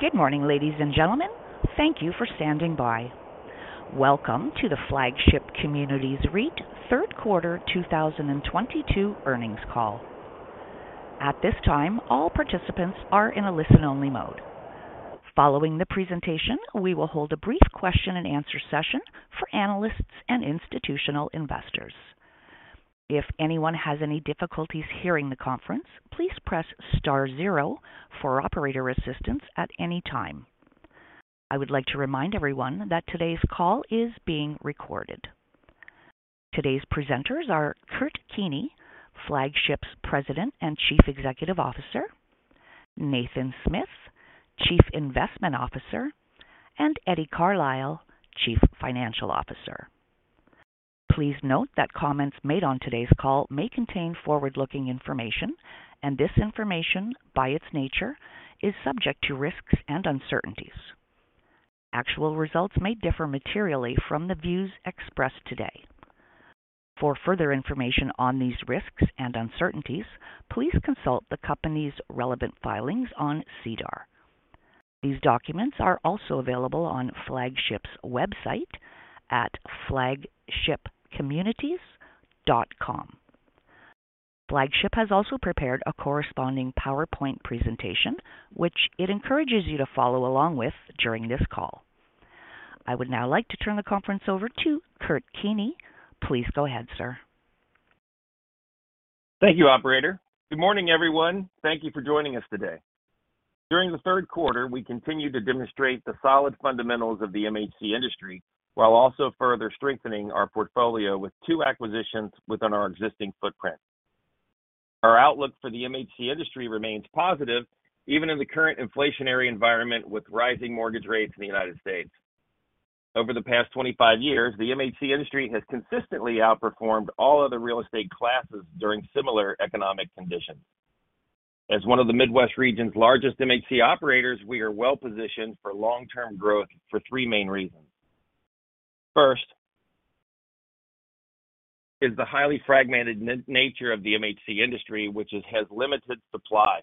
Good morning, ladies and gentlemen. Thank you for standing by. Welcome to the Flagship Communities REIT Q3 2022 Earnings Call. At this time, all participants are in a listen-only mode. Following the presentation, we will hold a brief question and answer session for analysts and institutional investors. If anyone has any difficulties hearing the conference, please press star zero for operator assistance at any time. I would like to remind everyone that today's call is being recorded. Today's presenters are Kurt Keeney, Flagship's President and Chief Executive Officer, Nathan Smith, Chief Investment Officer, and Eddie Carlisle, Chief Financial Officer. Please note that comments made on today's call may contain forward-looking information, and this information, by its nature, is subject to risks and uncertainties. Actual results may differ materially from the views expressed today. For further information on these risks and uncertainties, please consult the company's relevant filings on SEDAR. These documents are also available on Flagship's website at flagshipcommunities.com. Flagship has also prepared a corresponding PowerPoint presentation, which it encourages you to follow along with during this call. I would now like to turn the conference over to Kurt Keeney. Please go ahead, sir. Thank you, operator. Good morning, everyone. Thank you for joining us today. During the Q3, we continued to demonstrate the solid fundamentals of the MHC industry while also further strengthening our portfolio with two acquisitions within our existing footprint. Our outlook for the MHC industry remains positive even in the current inflationary environment with rising mortgage rates in the United States. Over the past 25 years, the MHC industry has consistently outperformed all other real estate classes during similar economic conditions. As one of the Midwest region's largest MHC operators, we are well-positioned for long-term growth for three main reasons. First is the highly fragmented nature of the MHC industry, which has limited supply.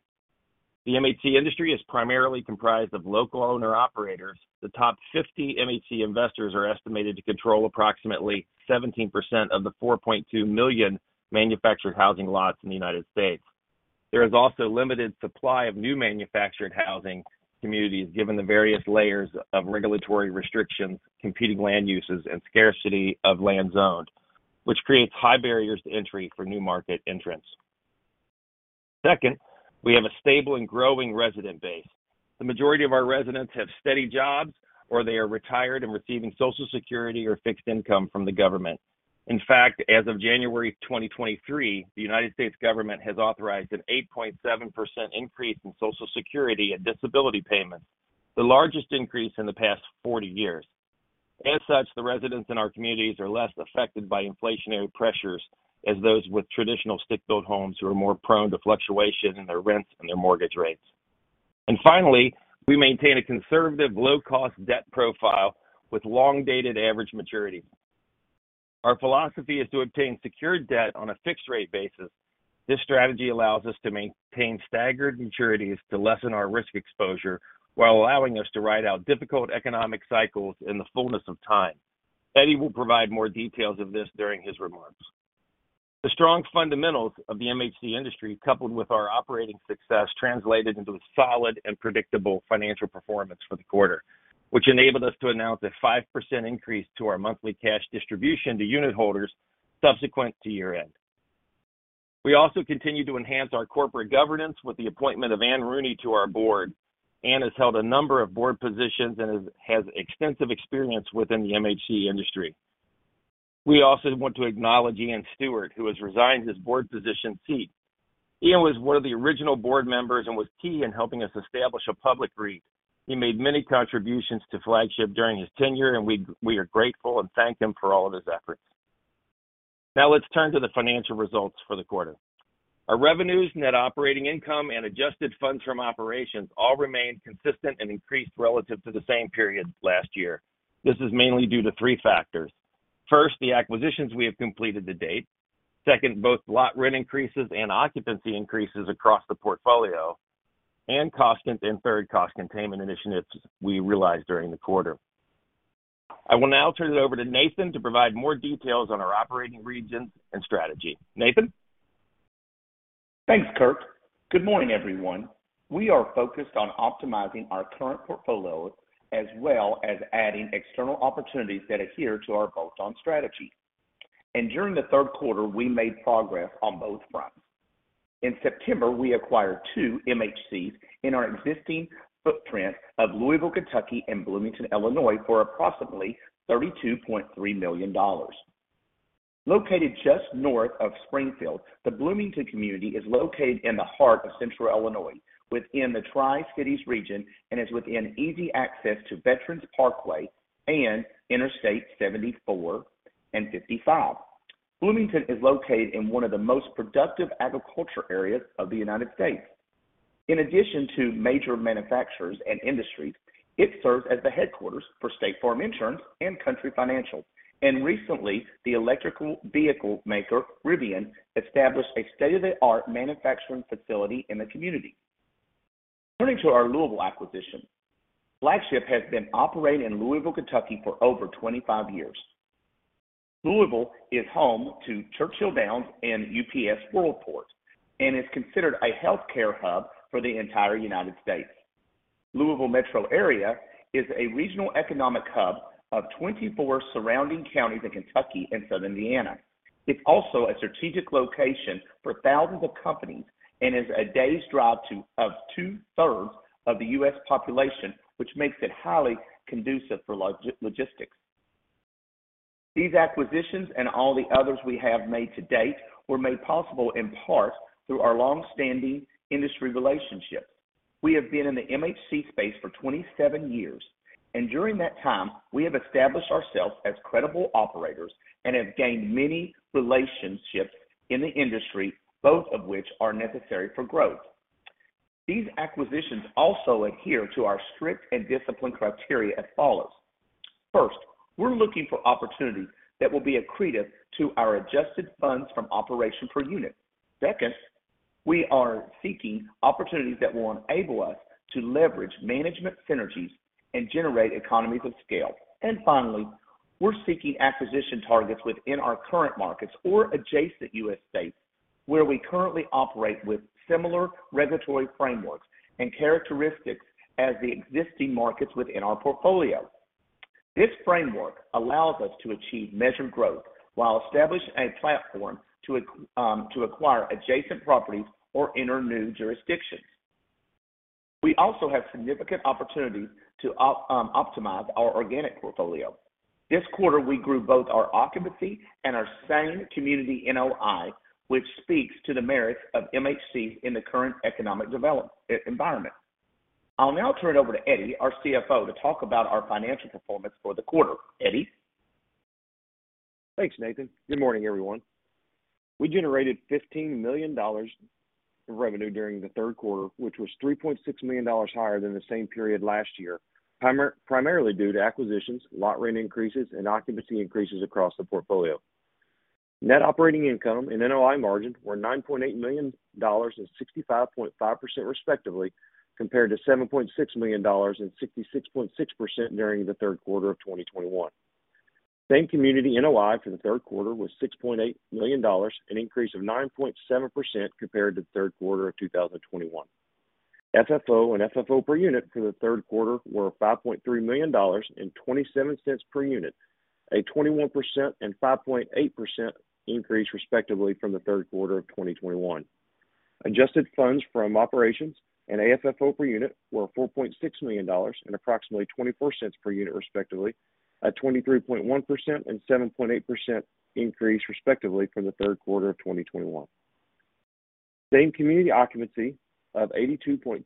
The MHC industry is primarily comprised of local owner-operators. The top 50 MHC investors are estimated to control approximately 17% of the 4.2 million manufactured housing lots in the United States. There is also limited supply of new manufactured housing communities, given the various layers of regulatory restrictions, competing land uses, and scarcity of land zoned, which creates high barriers to entry for new market entrants. Second, we have a stable and growing resident base. The majority of our residents have steady jobs, or they are retired and receiving Social Security or fixed income from the government. In fact, as of January 2023, the United States government has authorized an 8.7% increase in Social Security and disability payments, the largest increase in the past 40 years. As such, the residents in our communities are less affected by inflationary pressures as those with traditional stick-built homes who are more prone to fluctuation in their rents and their mortgage rates. Finally, we maintain a conservative low-cost debt profile with long-dated average maturity. Our philosophy is to obtain secured debt on a fixed-rate basis. This strategy allows us to maintain staggered maturities to lessen our risk exposure while allowing us to ride out difficult economic cycles in the fullness of time. Eddie will provide more details of this during his remarks. The strong fundamentals of the MHC industry, coupled with our operating success, translated into a solid and predictable financial performance for the quarter, which enabled us to announce a 5% increase to our monthly cash distribution to unitholders subsequent to year-end. We also continue to enhance our corporate governance with the appointment of Anne Rooney to our board. Ann has held a number of board positions and has extensive experience within the MHC industry. We also want to acknowledge Iain Stewart, who has resigned his board position seat. Iain was one of the original board members and was key in helping us establish a public REIT. He made many contributions to Flagship during his tenure, and we are grateful and thank him for all of his efforts. Now let's turn to the financial results for the quarter. Our revenues, net operating income, and adjusted funds from operations all remained consistent and increased relative to the same period last year. This is mainly due to three factors. First, the acquisitions we have completed to date. Second, both lot rent increases and occupancy increases across the portfolio, and third, cost containment initiatives we realized during the quarter. I will now turn it over to Nathan to provide more details on our operating regions and strategy. Nathan. Thanks, Kurt. Good morning, everyone. We are focused on optimizing our current portfolio as well as adding external opportunities that adhere to our bolt-on strategy. During the Q3, we made progress on both fronts. In September, we acquired two MHCs in our existing footprint of Louisville, Kentucky and Bloomington, Illinois for approximately $32.3 million. Located just north of Springfield, the Bloomington community is located in the heart of Central Illinois within the Tri-Cities region and is within easy access to Veterans Parkway and Interstate 74 and 55. Bloomington is located in one of the most productive agricultural areas of the United States. In addition to major manufacturers and industries, it serves as the headquarters for State Farm and COUNTRY Financial. Recently, the electric vehicle maker Rivian established a state-of-the-art manufacturing facility in the community. Turning to our Louisville acquisition. Flagship has been operating in Louisville, Kentucky for over 25 years. Louisville is home to Churchill Downs and UPS Worldport, and is considered a healthcare hub for the entire United States. Louisville metro area is a regional economic hub of 24 surrounding counties in Kentucky and Southern Indiana. It's also a strategic location for thousands of companies and is a day's drive to two-thirds of the U.S. population, which makes it highly conducive for logistics. These acquisitions and all the others we have made to date were made possible in part through our long-standing industry relationship. We have been in the MHC space for 27 years, and during that time, we have established ourselves as credible operators and have gained many relationships in the industry, both of which are necessary for growth. These acquisitions also adhere to our strict and disciplined criteria as follows. First, we're looking for opportunities that will be accretive to our adjusted funds from operation per unit. Second, we are seeking opportunities that will enable us to leverage management synergies and generate economies of scale. Finally, we're seeking acquisition targets within our current markets or adjacent U.S. states where we currently operate with similar regulatory frameworks and characteristics as the existing markets within our portfolio. This framework allows us to achieve measured growth while establishing a platform to acquire adjacent properties or enter new jurisdictions. We also have significant opportunities to optimize our organic portfolio. This quarter, we grew both our occupancy and our same community NOI, which speaks to the merits of MHC in the current economic environment. I'll now turn it over to Eddie, our CFO, to talk about our financial performance for the quarter. Eddie? Thanks, Nathan. Good morning, everyone. We generated $15 million in revenue during the Q3, which was $3.6 million higher than the same period last year, primarily due to acquisitions, lot rent increases, and occupancy increases across the portfolio. Net operating income and NOI margins were $9.8 million and 65.5%, respectively, compared to $7.6 million and 66.6% during the Q3 of 2021. Same community NOI for the Q3 was $6.8 million, an increase of 9.7% compared to the Q3 of 2021. FFO and FFO per unit for the Q3 were $5.3 million and $0.27 per unit, a 21% and 5.8% increase, respectively, from the Q3 of 2021. Adjusted funds from operations and AFFO per unit were $4.6 million and approximately $0.24 per unit, respectively, a 23.1% and 7.8% increase, respectively, from the Q3 of 2021. Same community occupancy of 82.2%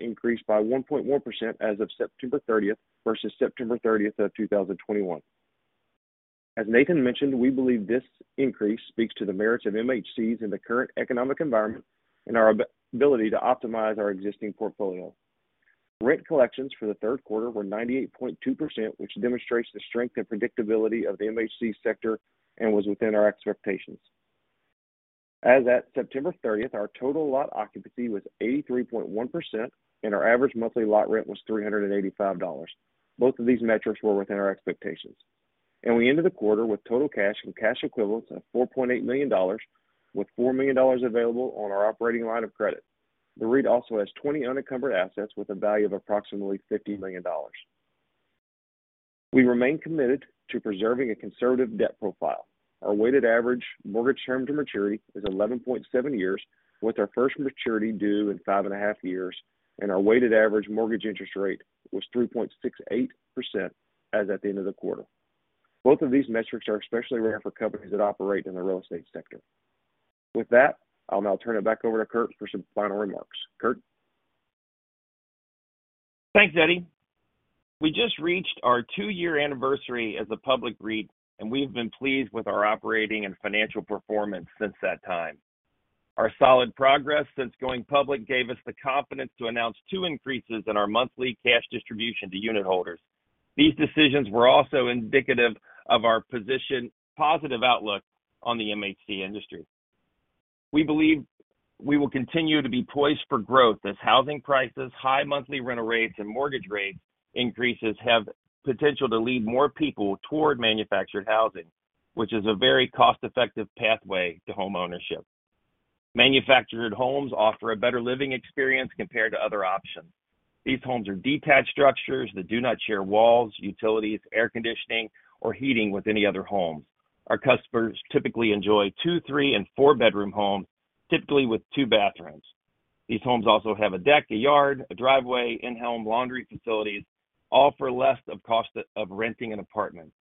increased by 1.1% as of September 30 versus September 30 of 2021. As Nathan mentioned, we believe this increase speaks to the merits of MHCs in the current economic environment and our ability to optimize our existing portfolio. Rent collections for the Q3 were 98.2%, which demonstrates the strength and predictability of the MHC sector and was within our expectations. As at September 30, our total lot occupancy was 83.1%, and our average monthly lot rent was $385. Both of these metrics were within our expectations. We ended the quarter with total cash and cash equivalents of $4.8 million, with $4 million available on our operating line of credit. The REIT also has 20 unencumbered assets with a value of approximately $50 million. We remain committed to preserving a conservative debt profile. Our weighted average mortgage term to maturity is 11.7 years, with our first maturity due in 5.5 years, and our weighted average mortgage interest rate was 3.68% as at the end of the quarter. Both of these metrics are especially rare for companies that operate in the real estate sector. With that, I'll now turn it back over to Kurt for some final remarks. Kurt? Thanks, Eddie. We just reached our two-year anniversary as a public REIT, and we've been pleased with our operating and financial performance since that time. Our solid progress since going public gave us the confidence to announce two increases in our monthly cash distribution to unitholders. These decisions were also indicative of our positive outlook on the MHC industry. We believe we will continue to be poised for growth as housing prices, high monthly rental rates, and mortgage rates increases have potential to lead more people toward manufactured housing, which is a very cost-effective pathway to homeownership. Manufactured homes offer a better living experience compared to other options. These homes are detached structures that do not share walls, utilities, air conditioning, or heating with any other homes. Our customers typically enjoy two, three, and four-bedroom homes, typically with two bathrooms. These homes also have a deck, a yard, a driveway, in-home laundry facilities, all for less than the cost of renting an apartment.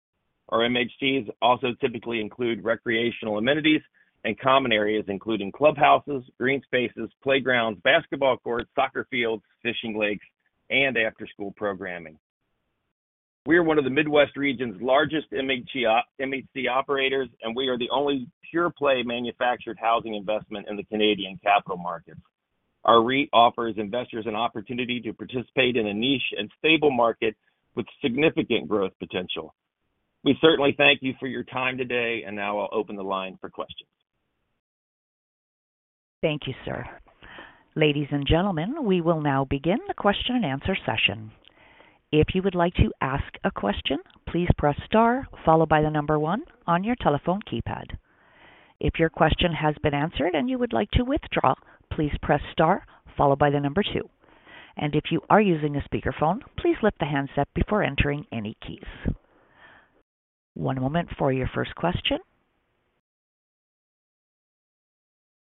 Our MHCs also typically include recreational amenities and common areas, including clubhouses, green spaces, playgrounds, basketball courts, soccer fields, fishing lakes, and after-school programming. We are one of the Midwest region's largest MHC operators, and we are the only pure play manufactured housing investment in the Canadian capital markets. Our REIT offers investors an opportunity to participate in a niche and stable market with significant growth potential. We certainly thank you for your time today, and now I'll open the line for questions. Thank you, sir. Ladies and gentlemen, we will now begin the question and answer session. If you would like to ask a question, please press star followed by one on your telephone keypad. If your question has been answered and you would like to withdraw, please press star followed by two. If you are using a speakerphone, please lift the handset before entering any keys. One moment for your first question.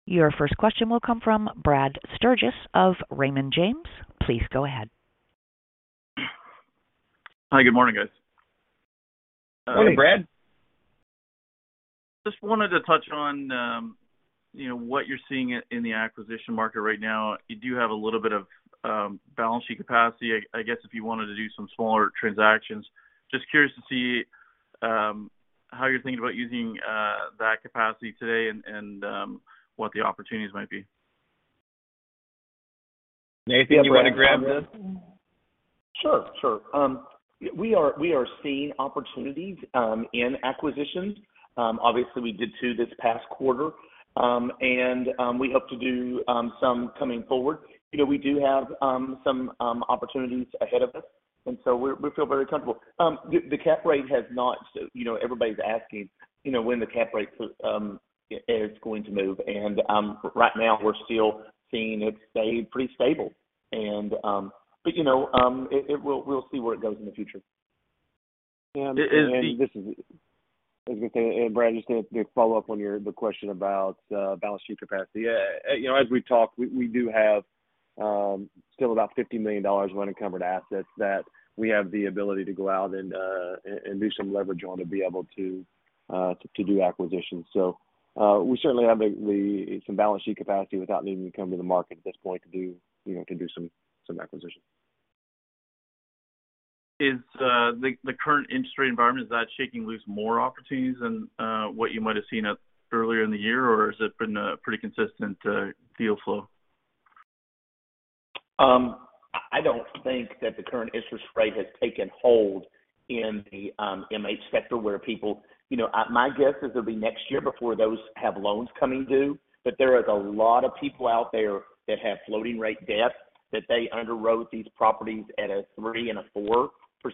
Your first question will come from Brad Sturges of Raymond James. Please go ahead. Hi, good morning, guys. Morning, Brad. Just wanted to touch on, you know, what you're seeing in the acquisition market right now. You do have a little bit of balance sheet capacity, I guess, if you wanted to do some smaller transactions. Just curious to see how you're thinking about using that capacity today and what the opportunities might be. Nathan, do you want to grab this? Sure. We are seeing opportunities in acquisitions. Obviously we did 2 this past quarter, and we hope to do some coming forward. You know, we do have some opportunities ahead of us, and so we feel very comfortable. You know, everybody's asking, you know, when the cap rate is going to move. Right now we're still seeing it stay pretty stable. You know, it will. We'll see where it goes in the future. Brad, just to follow up on your question about balance sheet capacity. You know, as we've talked, we do have still about $50 million of uncovered assets that we have the ability to go out and do some leverage on to be able to do acquisitions. We certainly have some balance sheet capacity without needing to come to the market at this point to do, you know, to do some acquisitions. Is the current interest rate environment shaking loose more opportunities than what you might have seen up earlier in the year? Or has it been a pretty consistent deal flow? I don't think that the current interest rate has taken hold in the MH sector where people you know, my guess is it'll be next year before those have loans coming due. There is a lot of people out there that have floating rate debt, that they underwrote these properties at a 3% and 4%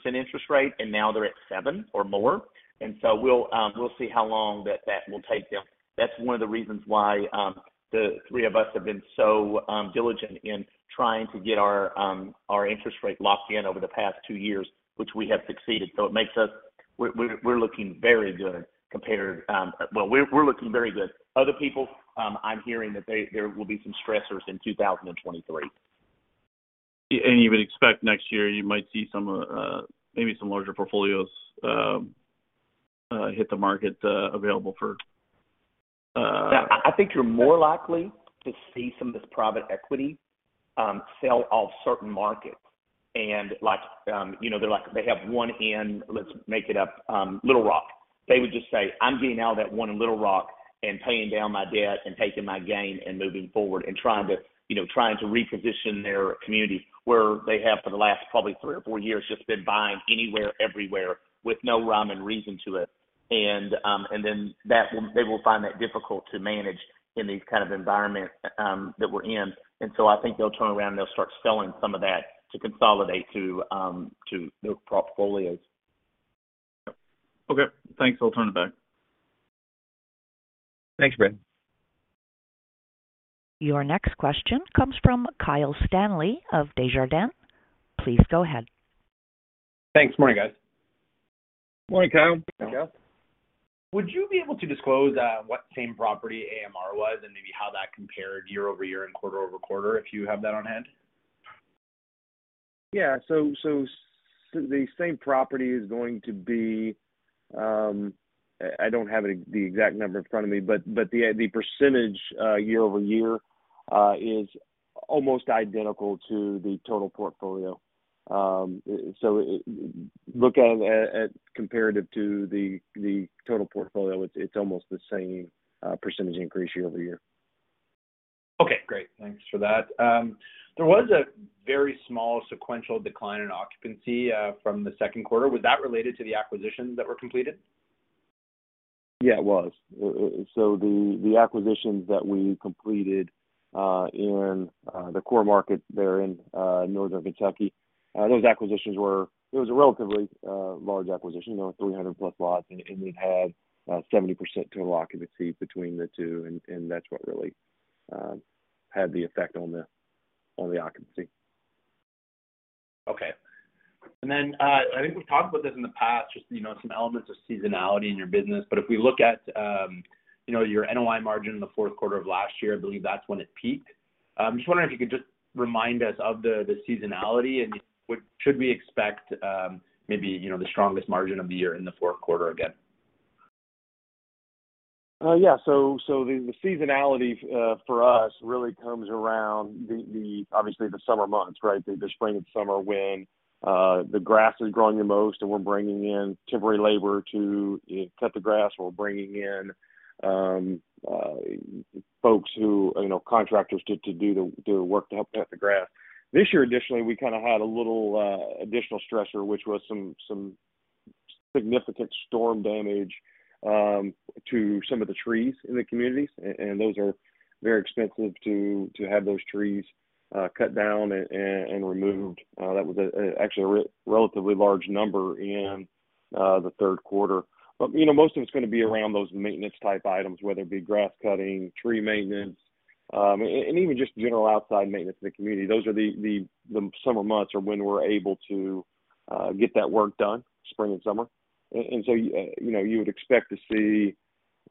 interest rate, and now they're at 7% or more. We'll see how long that will take them. That's one of the reasons why the three of us have been so diligent in trying to get our interest rate locked in over the past two years, which we have succeeded. It makes us. We're looking very good compared. Well, we're looking very good. Other people, I'm hearing that there will be some stressors in 2023. You would expect next year you might see some, maybe some larger portfolios hit the market, available for Yeah. I think you're more likely to see some of this private equity sell off certain markets. Like, you know, they're like, they have one in, let's make it up, Little Rock. They would just say, "I'm getting out of that one in Little Rock and paying down my debt and taking my gain and moving forward," and trying to you know reposition their community where they have for the last probably three or four years just been buying anywhere, everywhere with no rhyme and reason to it. And then they will find that difficult to manage in this kind of environment that we're in. I think they'll turn around, and they'll start selling some of that to consolidate to their portfolios. Okay, thanks. I'll turn it back. Thanks, Brad. Your next question comes from Kyle Stanley of Desjardins. Please go ahead. Thanks. Morning, guys. Morning, Kyle. Hi, Kyle. Would you be able to disclose what same property AMR was and maybe how that compared quarter-over-quarter and quarter-over-quarter, if you have that on hand? Yeah. The same property is going to be. I don't have the exact number in front of me, but the percentage quarter-over-quarter is almost identical to the total portfolio. Look at it comparative to the total portfolio. It's almost the same percentage increase quarter-over-quarter. Okay, great. Thanks for that. There was a very small sequential decline in occupancy from the Q2. Was that related to the acquisitions that were completed? Yeah, it was. The acquisitions that we completed in the core markets there in Northern Kentucky, those acquisitions. It was a relatively large acquisition, you know, 300+ lots, and it had 70% total occupancy between the two, and that's what really had the effect on the occupancy. Okay. I think we've talked about this in the past, just, you know, some elements of seasonality in your business. If we look at, you know, your NOI margin in the Q4 of last year, I believe that's when it peaked. Just wondering if you could just remind us of the seasonality and should we expect, maybe, you know, the strongest margin of the year in the Q4 again? Yeah. The seasonality for us really comes around, obviously, the summer months, right? The spring and summer when the grass is growing the most and we're bringing in temporary labor to, you know, cut the grass. We're bringing in folks who, you know, contractors to do the work to help cut the grass. This year additionally, we kind of had a little additional stressor, which was some significant storm damage to some of the trees in the communities. Those are very expensive to have those trees cut down and removed. That was actually a relatively large number in the Q3. You know, most of it's gonna be around those maintenance type items, whether it be grass cutting, tree maintenance, and even just general outside maintenance in the community. Those are the summer months when we're able to get that work done, spring and summer. You know, you would expect to see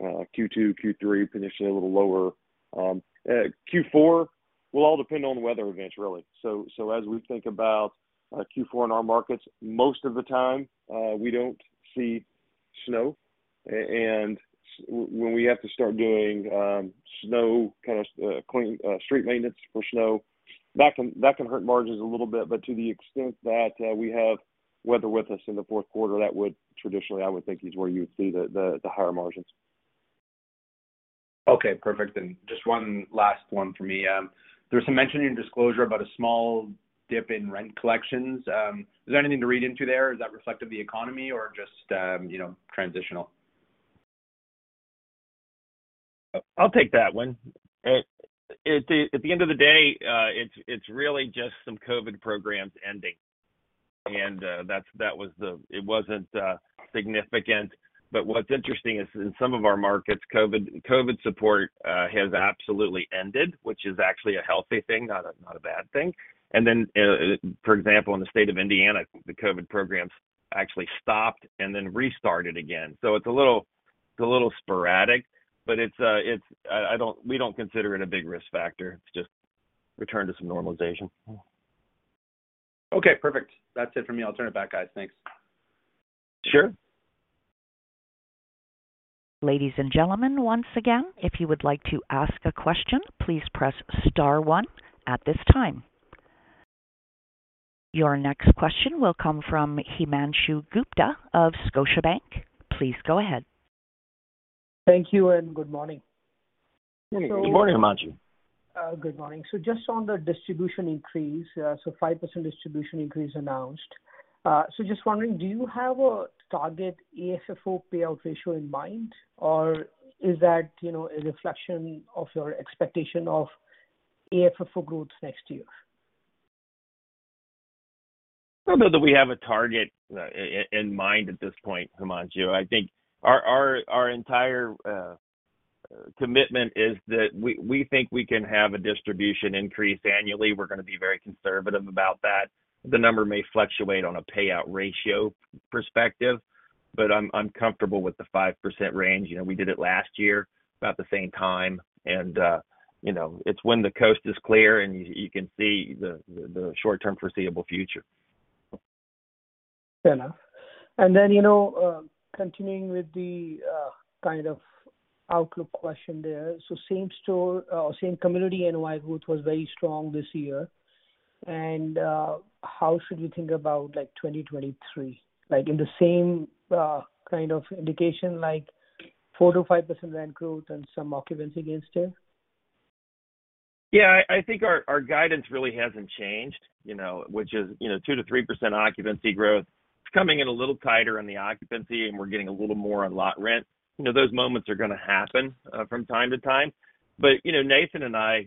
Q2, Q3 potentially a little lower. Q4 will all depend on the weather events, really. As we think about Q4 in our markets, most of the time, we don't see snow. When we have to start doing snow kind of street maintenance for snow, that can hurt margins a little bit. To the extent that we have weather with us in the Q4, that would traditionally, I would think, is where you would see the higher margins. Okay, perfect. Just one last one for me. There was some mention in your disclosure about a small dip in rent collections. Is there anything to read into there? Is that reflective of the economy or just, you know, transitional? I'll take that one. At the end of the day, it's really just some COVID programs ending. That wasn't significant. What's interesting is in some of our markets, COVID support has absolutely ended, which is actually a healthy thing, not a bad thing. For example, in the state of Indiana, the COVID programs actually stopped and then restarted again. It's a little sporadic, but we don't consider it a big risk factor. It's just return to some normalization. Okay, perfect. That's it for me. I'll turn it back, guys. Thanks. Sure. Ladies and gentlemen, once again, if you would like to ask a question, please press star one at this time. Your next question will come from Himanshu Gupta of Scotiabank. Please go ahead. Thank you and good morning. Good morning, Himanshu. Good morning. Just on the distribution increase, 5% distribution increase announced. Just wondering, do you have a target AFFO payout ratio in mind? Or is that, you know, a reflection of your expectation of AFFO growth next year? I don't know that we have a target in mind at this point, Himanshu. I think our entire commitment is that we think we can have a distribution increase annually. We're gonna be very conservative about that. The number may fluctuate on a payout ratio perspective, but I'm comfortable with the 5% range. You know, we did it last year about the same time and, you know, it's when the coast is clear and you can see the short-term foreseeable future. Fair enough. Then, you know, continuing with the kind of outlook question there. Same community NOI growth was very strong this year. How should we think about like 2023? Like, in the same kind of indication, like 4%-5% rent growth and some occupancy gains there? Yeah. I think our guidance really hasn't changed, you know, which is, you know, 2%-3% occupancy growth. It's coming in a little tighter in the occupancy, and we're getting a little more on lot rent. You know, those moments are gonna happen from time to time. You know, Nathan and I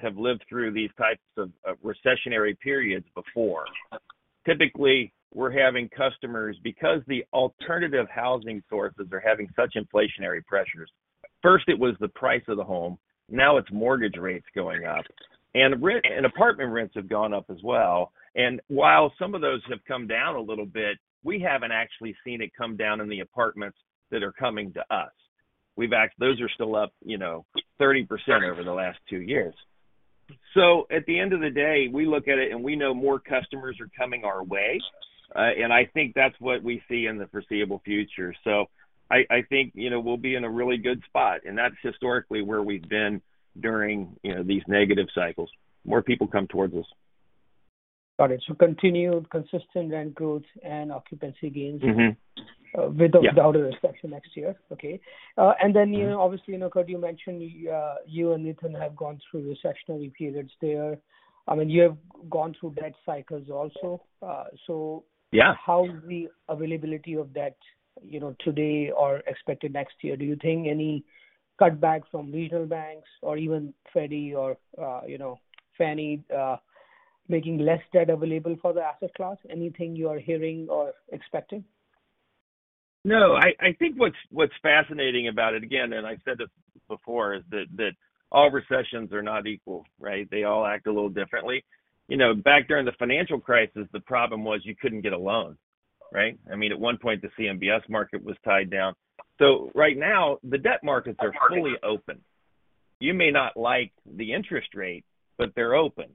have lived through these types of recessionary periods before. Typically, we're having customers because the alternative housing sources are having such inflationary pressures. First it was the price of the home, now it's mortgage rates going up, and rent and apartment rents have gone up as well. And while some of those have come down a little bit, we haven't actually seen it come down in the apartments that are coming to us. Those are still up, you know, 30% over the last two years. At the end of the day, we look at it and we know more customers are coming our way. I think that's what we see in the foreseeable future. I think, you know, we'll be in a really good spot, and that's historically where we've been during, you know, these negative cycles, more people come towards us. Got it. Continued consistent rent growth and occupancy gains. Mm-hmm. -uh, with the- Yeah. Without a recession next year. Okay. You know, obviously, you know, Kurt, you mentioned you and Nathan have gone through recessionary periods there. I mean, you have gone through debt cycles also. So- Yeah. How is the availability of debt, you know, today or expected next year? Do you think any cutback from regional banks or even Freddie or, you know, Fannie, making less debt available for the asset class? Anything you are hearing or expecting? No. I think what's fascinating about it, again, and I said this before, is that all recessions are not equal, right? They all act a little differently. You know, back during the financial crisis, the problem was you couldn't get a loan, right? I mean, at one point, the CMBS market was tied down. Right now, the debt markets are fully open. You may not like the interest rate, but they're open.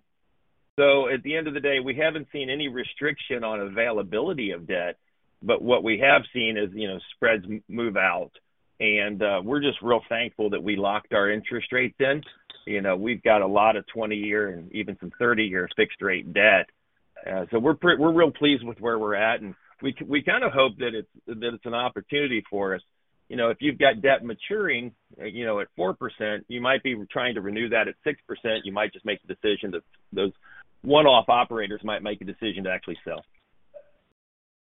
At the end of the day, we haven't seen any restriction on availability of debt, but what we have seen is, you know, spreads move out, and we're just real thankful that we locked our interest rates in. You know, we've got a lot of 20-year and even some 30-year fixed rate debt. We're real pleased with where we're at, and we kinda hope that it's an opportunity for us. You know, if you've got debt maturing, you know, at 4%, you might be trying to renew that at 6%. You might just make the decision that those one-off operators might make a decision to actually sell.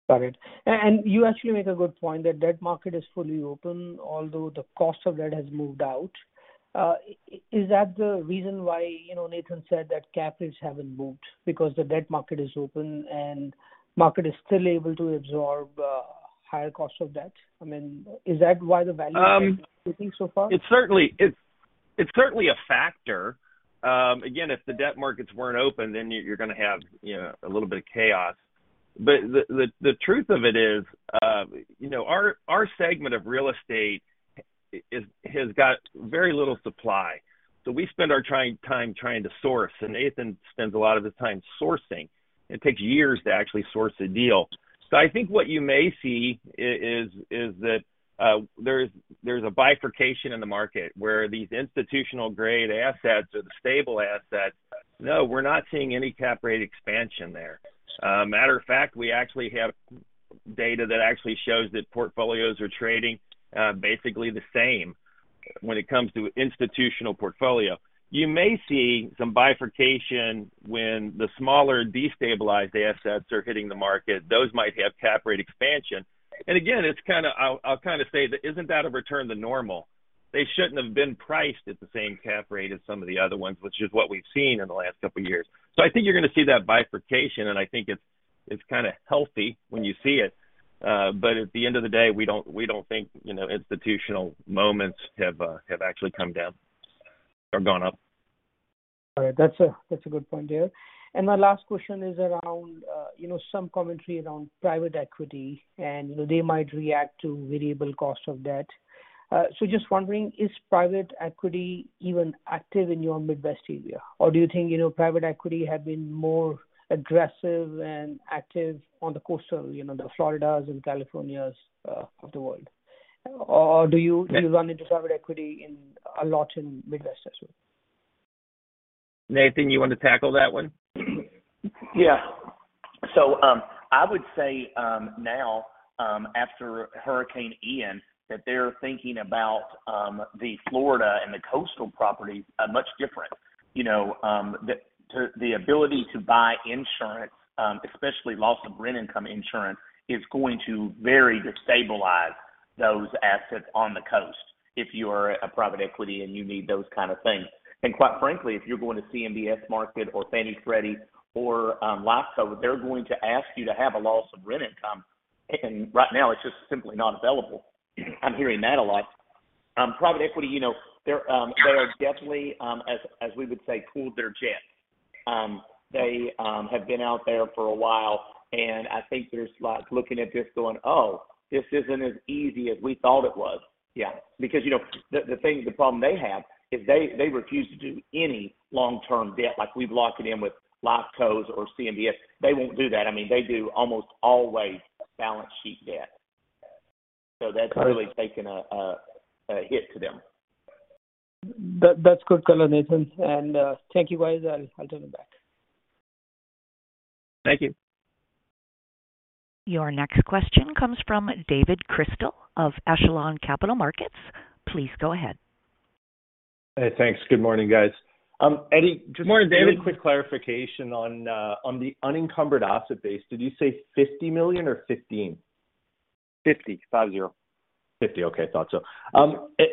Got it. You actually make a good point. The debt market is fully open, although the cost of debt has moved out. Is that the reason why, you know, Nathan said that cap rates haven't moved because the debt market is open and market is still able to absorb higher cost of debt? I mean, is that why the valuation is holding so far? It's certainly a factor. Again, if the debt markets weren't open, then you're gonna have, you know, a little bit of chaos. The truth of it is, you know, our segment of real estate has got very little supply, so we spend our time trying to source, and Nathan spends a lot of his time sourcing. It takes years to actually source a deal. I think what you may see is that there's a bifurcation in the market where these institutional-grade assets or the stable assets, no, we're not seeing any cap rate expansion there. Matter of fact, we actually have data that actually shows that portfolios are trading basically the same when it comes to institutional portfolio. You may see some bifurcation when the smaller destabilized assets are hitting the market. Those might have cap rate expansion. Again, it's kinda. I'll kinda say that isn't that a return to normal? They shouldn't have been priced at the same cap rate as some of the other ones, which is what we've seen in the last couple years. I think you're gonna see that bifurcation, and I think it's kinda healthy when you see it. At the end of the day, we don't think, you know, institutional money have actually come down or gone up. All right. That's a good point there. My last question is around, you know, some commentary around private equity, and they might react to variable cost of debt. Just wondering, is private equity even active in your Midwest area? Or do you think, you know, private equity have been more aggressive and active on the coastal, you know, the Floridas and Californias of the world? Or do you- Yes. Do you run into private equity in a lot in Midwest as well? Nathan, you wanna tackle that one? Yeah. I would say now after Hurricane Ian that they're thinking about the Florida and the coastal properties much different. You know, the ability to buy insurance especially loss of rent income insurance is going to very destabilize those assets on the coast if you are a private equity and you need those kind of things. Quite frankly if you're going to CMBS market or Fannie Mae Freddie Mac or Life Co they're going to ask you to have a loss of rent income and right now it's just simply not available. I'm hearing that a lot. Private equity you know they're definitely as we would say cooled their jets. They have been out there for a while, and I think they're just, like, looking at this going, "Oh, this isn't as easy as we thought it was. Yeah. Because, you know, the thing, the problem they have is they refuse to do any long-term debt like we've locked it in with Life Cos or CMBS. They won't do that. I mean, they do almost always a balance sheet debt. Got it. That's really taken a hit to them. That's good color, Nathan. Thank you, guys. I'll turn it back. Thank you. Your next question comes from David Crystal of Echelon Capital Markets. Please go ahead. Hey, thanks. Good morning, guys. Eddie- Good morning, David. Just a quick clarification on the unencumbered asset base. Did you say $50 million or $15 million? 50. Without a 0. 50. Okay. Thought so.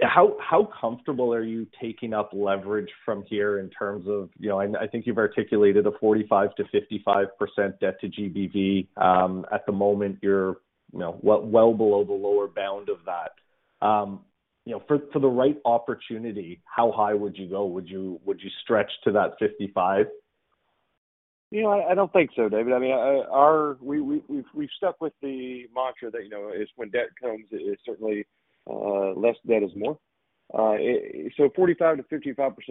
How comfortable are you taking up leverage from here in terms of, you know, I think you've articulated a 45%-55% debt to GBV. At the moment, you're, you know, well below the lower bound of that. You know, for the right opportunity, how high would you go? Would you stretch to that 55%? I don't think so, David. I mean, we've stuck with the mantra that is when debt comes, it's certainly less debt is more. 45%-55%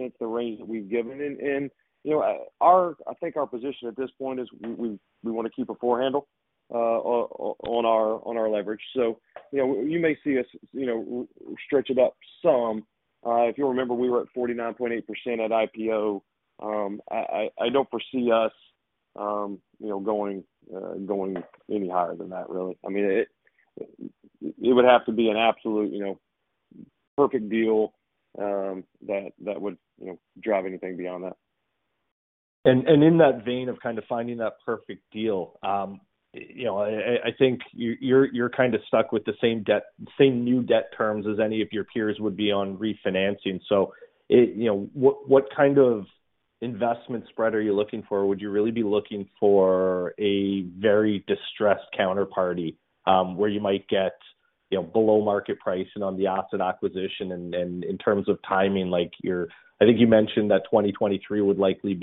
is the range that we've given. I think our position at this point is we wanna keep a four handle on our leverage. You may see us stretch it up some. If you remember, we were at 49.8% at IPO. I don't foresee us going any higher than that, really. I mean, it would have to be an absolute perfect deal that would drive anything beyond that. In that vein of kind of finding that perfect deal, you know, I think you're kinda stuck with the same debt, same new debt terms as any of your peers would be on refinancing. You know, what kind of investment spread are you looking for? Would you really be looking for a very distressed counterparty, where you might get, you know, below market pricing on the asset acquisition? In terms of timing, like, I think you mentioned that 2023 would likely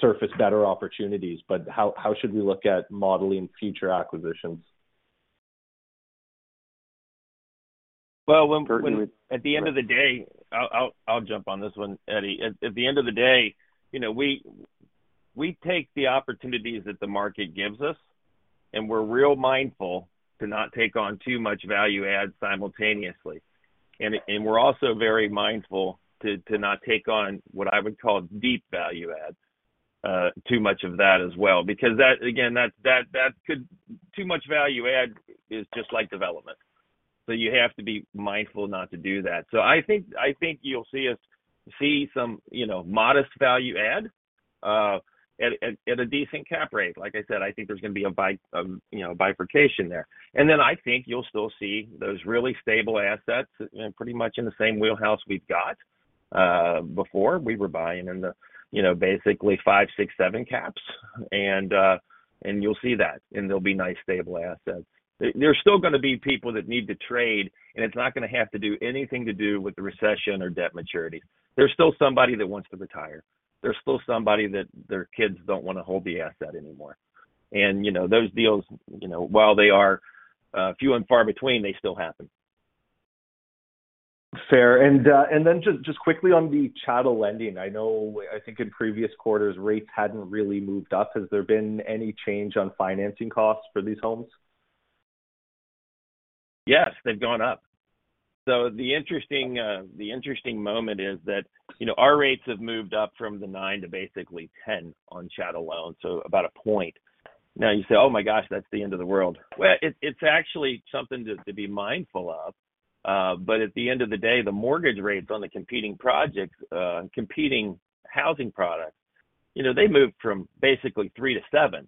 surface better opportunities, but how should we look at modeling future acquisitions? I'll jump on this one, Eddie. At the end of the day, you know, we take the opportunities that the market gives us, and we're real mindful to not take on too much value add simultaneously. We're also very mindful to not take on what I would call deep value adds, too much of that as well. Because that could. Too much value add is just like development. You have to be mindful not to do that. I think you'll see us see some, you know, modest value add at a decent cap rate. Like I said, I think there's gonna be a bifurcation there. I think you'll still see those really stable assets in pretty much in the same wheelhouse we've got before. We were buying in the you know basically five, six, seven caps and you'll see that, and they'll be nice, stable assets. There are still gonna be people that need to trade, and it's not gonna have to do anything to do with the recession or debt maturity. There's still somebody that wants to retire. There's still somebody that their kids don't wanna hold the asset anymore. You know those deals you know while they are few and far between, they still happen. Fair. Just quickly on the chattel lending. I know I think in previous quarters, rates hadn't really moved up. Has there been any change on financing costs for these homes? Yes, they've gone up. The interesting moment is that, you know, our rates have moved up from the 9% to basically 10% on chattel loans, so about a point. Now you say, "Oh my gosh, that's the end of the world." Well, it's actually something to be mindful of. But at the end of the day, the mortgage rates on the competing projects, competing housing products, you know, they moved from basically 3% to 7%.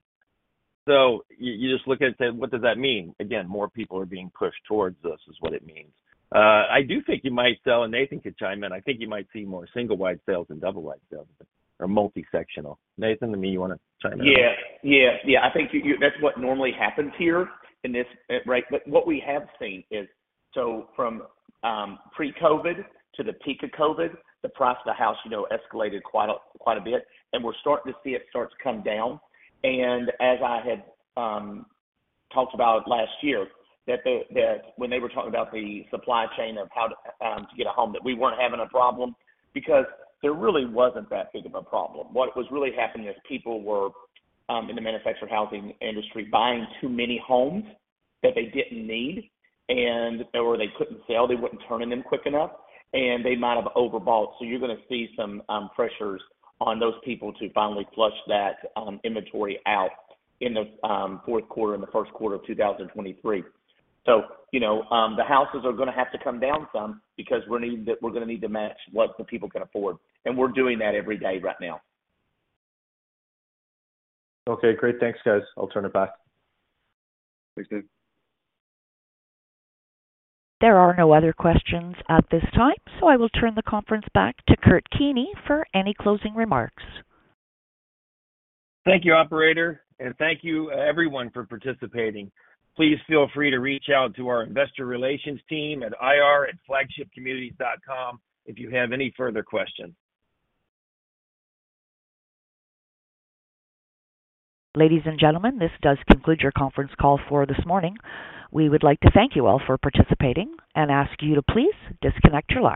You just look at it and say, "What does that mean?" Again, more people are being pushed towards us, is what it means. I do think you might sell, and Nathan could chime in. I think you might see more single wide sales than double wide sales or multi-sectional. Nathan, do you wanna chime in? Yeah. Yeah, yeah. I think you. That's what normally happens here in this, right? What we have seen is from pre-COVID to the peak of COVID, the price of the house, you know, escalated quite a bit, and we're starting to see it start to come down. As I had talked about last year that when they were talking about the supply chain of how to get a home, that we weren't having a problem because there really wasn't that big of a problem. What was really happening is people were in the manufactured housing industry buying too many homes that they didn't need and or they couldn't sell, they wouldn't turn in them quick enough, and they might have overbought. You're gonna see some pressures on those people to finally flush that inventory out in the Q4 and the Q1 of 2023. You know, the houses are gonna have to come down some because we're gonna need to match what the people can afford, and we're doing that every day right now. Okay, great. Thanks, guys. I'll turn it back. Thanks, David. There are no other questions at this time, so I will turn the conference back to Kurt Keeney for any closing remarks. Thank you, operator, and thank you, everyone for participating. Please feel free to reach out to our investor relations team at ir@flagshipcommunities.com if you have any further questions. Ladies and gentlemen, this does conclude your conference call for this morning. We would like to thank you all for participating and ask you to please disconnect your lines.